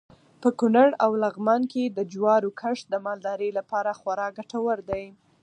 په کونړ او لغمان کې د جوارو کښت د مالدارۍ لپاره خورا ګټور دی.